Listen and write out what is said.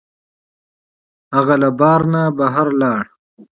هغه له بار نه بهر لاړ.